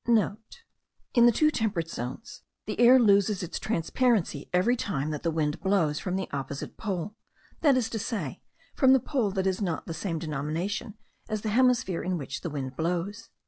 *(* In the two temperate zones the air loses its transparency every time that the wind blows from the opposite pole, that is to say, from the pole that has not the same denomination as the hemisphere in which the wind blows.)